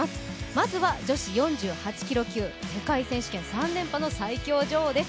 まずは女子４８キロ級、世界選手権３連覇の最強女王です。